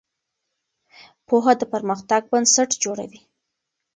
پوهه د پرمختګ بنسټ جوړوي.